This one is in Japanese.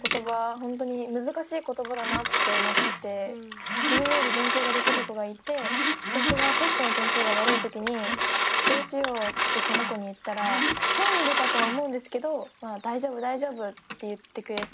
本当に難しい言葉だなって思ってて自分より勉強ができる子がいて私がテストの点数が悪いときに「どうしよう」ってその子に言ったら善意でだとは思うんですけど「まあ大丈夫大丈夫」って言ってくれて。